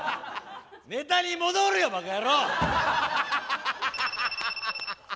ネタに戻るよばか野郎！